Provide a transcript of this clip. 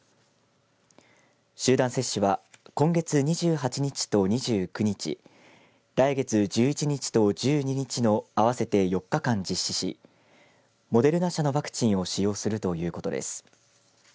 集団接種は今月２８日と２９日来月１１日と１２日の合わせて４日間実施しモデルナ社のワクチンを使用するということです。